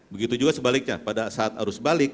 begitu juga sebaliknya pada saat arus balik